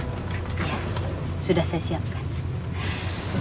ya sudah saya siapkan